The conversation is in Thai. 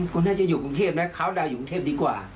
คุณน่าจะอยู่กรุงเทพนะคาวดาวอยู่กรุงเทพดีกว่า